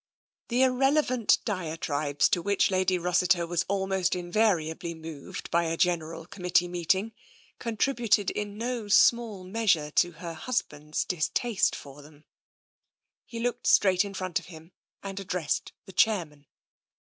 The irrelevant diatribes to which Lady Rossiter was almost invariably moved by a General Committee meet ing contributed in no small measure to her husband's distaste for them. He looked straight in front of him and addressed the chairman.